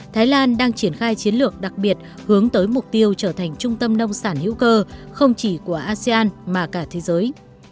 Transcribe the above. thái lan đang triển khai chiến lược đặc biệt hướng tới mục tiêu trở thành trung tâm nông sản hữu cơ không chỉ của asean mà cả thế giới